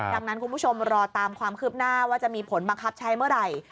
ดังนั้นคุณผู้ชมรอตามความคืบหน้าว่าจะมีผลบังคับใช้เมื่อไหร่